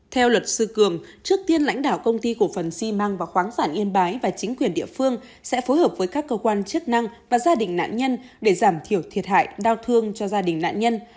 theo luật sư cường trước tiên lãnh đạo công ty cổ phần xi măng và khoáng sản yên bái và chính quyền địa phương sẽ phối hợp với các cơ quan chức năng và gia đình nạn nhân để giảm thiểu thiệt hại đau thương cho gia đình nạn nhân